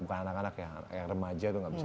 bukan anak anak yang remaja itu nggak bisa